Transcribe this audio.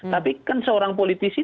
tapi kan seorang politisi